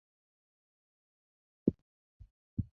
jamii za makabila jirani zilianza kuiga